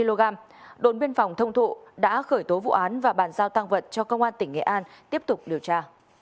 tổ tuần tra đồn biên phòng thông thụ đã khởi tố vụ án và bàn giao tăng vật cho công an tỉnh nghệ an tiếp tục điều tra